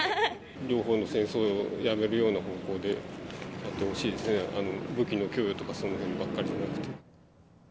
両方の戦争をやめるような方向であってほしいですね、武器の供与とかそのへんばっかりじゃなくて。